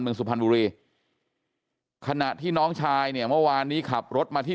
สุพรรณบุรีขณะที่น้องชายเนี่ยเมื่อวานนี้ขับรถมาที่